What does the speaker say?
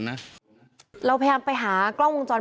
พุ่งเข้ามาแล้วกับแม่แค่สองคน